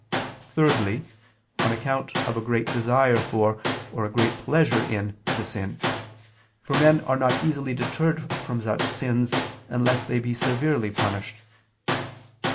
Thirdly, on account of a great desire for or a great pleasure in the sin: for men are not easily deterred from such sins unless they be severely punished.